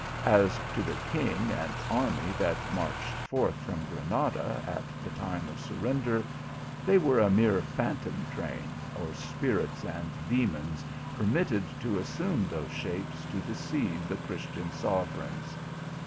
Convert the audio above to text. As to the king and army that marched forth from Granada at the time of the surrender, they were a mere phantom train, or spirits and demons permitted to assume those shapes to deceive the Christian sovereigns.